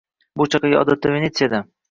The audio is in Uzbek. Bu chaqaga odatda Venetsiyada